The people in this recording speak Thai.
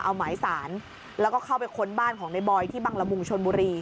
เอาหมายสารแล้วก็เข้าไปค้นบ้านของในบอยที่บังละมุงชนบุรี